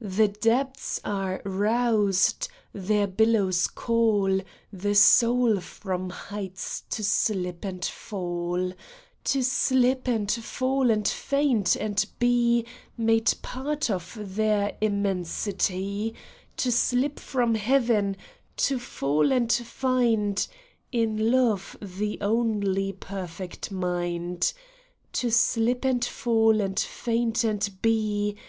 The depths are roused : their billows call The soul from heights to slip and fall ; To slip and fall and faint and be Made part of their immensity ; To slip from Heaven ; to fall and find In love the only perfect mind ; To slip and fall and faint and be 66 IN FAREWELL.